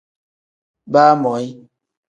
Baamoyi.